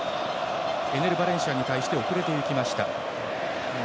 エネル・バレンシアに対して遅れていきました。